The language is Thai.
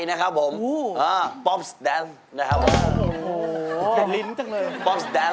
อยากจะโลกนี่เก่บ้าง